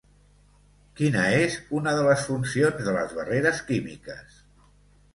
Quina és una de les funcions de les barreres químiques?